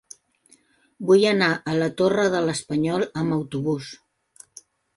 Vull anar a la Torre de l'Espanyol amb autobús.